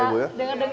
gak galak ya